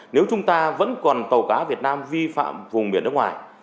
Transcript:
nếu chúng ta vẫn còn tàu cá việt nam vi phạm vùng biển nước ngoài